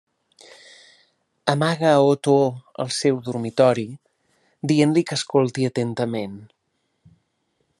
Amaga Otó al seu dormitori, dient-li que escolti atentament.